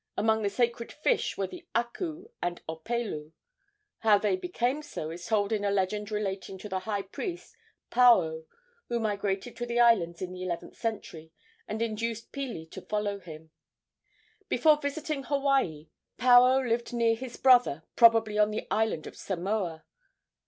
Among the sacred fish were the aku and opelu. How they became so is told in a legend relating to the high priest Paao, who migrated to the islands in the eleventh century and induced Pili to follow him. Before visiting Hawaii, Paao lived near his brother, probably on the island of Samoa.